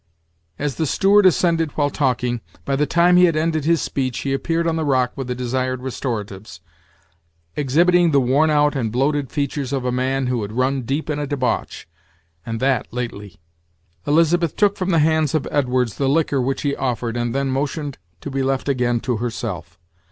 As the steward ascended while talking, by the time he had ended his speech he appeared on the rock with the desired restoratives, exhibiting the worn out and bloated features of a man who had run deep in a debauch, and that lately. Elizabeth took from the hands of Edwards the liquor which he offered and then motioned to be left again to herself.